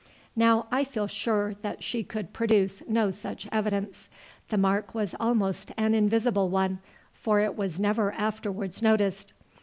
"Now, I feel sure that she could produce no such evidence. The mark was almost an invisible one, for it was never afterwards noticed.